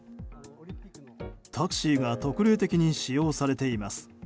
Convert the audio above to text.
タクシーが特例的に使用されています。